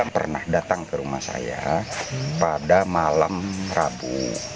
pernah datang ke rumah saya pada malam rabu